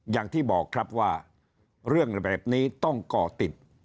อย่างที่บอกครับว่าเรื่องแบบนี้ต้องก่อติด